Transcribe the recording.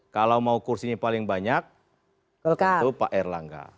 kalau mau kursinya paling banyak itu pak erlangga